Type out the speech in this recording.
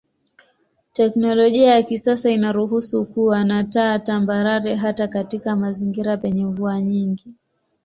Teknolojia ya kisasa inaruhusu kuwa na taa tambarare hata katika mazingira penye mvua nyingi.